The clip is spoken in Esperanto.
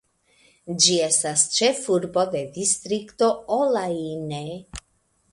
Ĝi estas ĉefurbo de distrikto Olaine.